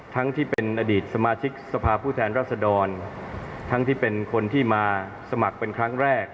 ทั้งที่เป็นอดีตสมาชิกสภาพผู้แทนรัศดรทั้งที่เป็นคนที่มาสมัครเป็นครั้งแรก